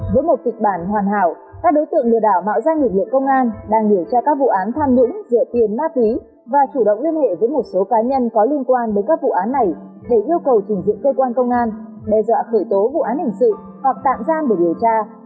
với một kịch bản hoàn hảo các đối tượng lừa đảo mạo danh lực lượng công an đang điều tra các vụ án tham nhũng dựa tiền ma túy và chủ động liên hệ với một số cá nhân có liên quan đến các vụ án này để yêu cầu chỉnh diện cơ quan công an đe dọa khởi tố vụ án hình sự hoặc tạm giam để điều tra